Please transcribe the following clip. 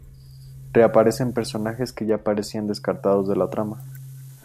Reaparecen personajes que ya parecían descartados de la trama.